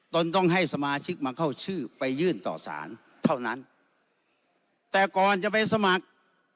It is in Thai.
ตนต้องให้สมาชิกมาเข้าชื่อไปยื่นต่อสารเท่านั้นแต่ก่อนจะไปสมัคร